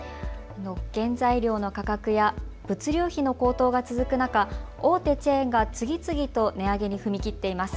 原材料の価格や物流費の高騰が続く中、大手チェーンが次々と値上げに踏み切っています。